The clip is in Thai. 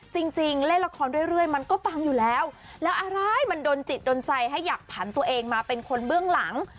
จริงเล่นละครเรื่อยมันก็ปังอยู่แล้วแล้วอะไรมันโดนจิตโดนใจให้อยากผันตัวเองมาเป็นคนเบื้องหลัง